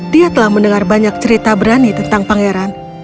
dia telah mendengar banyak cerita berani tentang pangeran